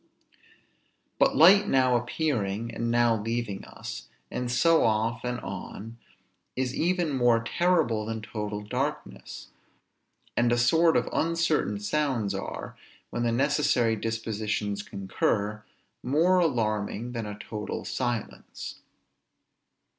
But light now appearing, and now leaving us, and so off and on, is even more terrible than total darkness; and a sort of uncertain sounds are, when the necessary dispositions concur, more alarming than a total silence.